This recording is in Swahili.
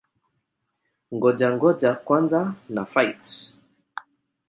Ngoja-ngoja kwanza na-fight!